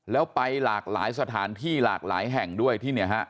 แล้วไปหลากหลายสถานที่หลากหลายแห่งด้วยที่เนี่ยฮะ